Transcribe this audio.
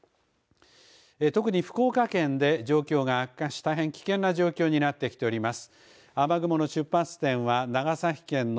特に福岡県で状況が悪化し大変危険な状況になってきております。